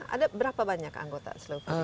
ada berapa banyak anggota slow food